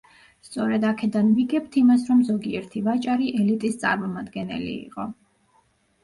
სწორე აქედან ვიგებთ იმას, რომ ზოგიერთი ვაჭარი ელიტის წარმომადგენელი იყო.